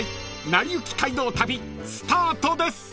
［『なりゆき街道旅』スタートです］